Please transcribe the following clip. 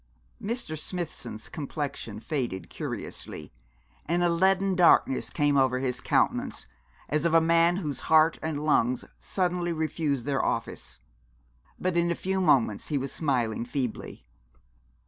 Mr. Smithson's complexion faded curiously, and a leaden darkness came over his countenance, as of a man whose heart and lungs suddenly refuse their office. But in a few moments he was smiling feebly.